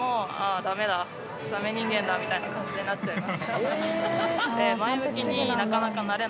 ダメだダメ人間だみたいな感じになっちゃいます